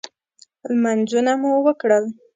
لمنځونه مو وکړل.